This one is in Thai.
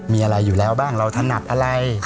มีอะไรอยู่แล้วบ้างเราถนัดอะไร